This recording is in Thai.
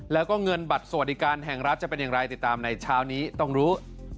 แล้วก็เงินบัตรสวัสดิการแห่งรัฐจะเป็นอย่างไรติดตามในเช้านี้ต้องรู้